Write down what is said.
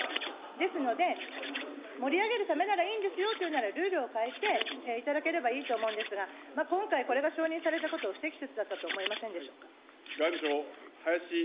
ですので、盛り上げるためならいいんですよというなら、ルールを変えていただければいいと思うんですが、今回、これは承認されたことは不適切だったと思いませんでしょうか。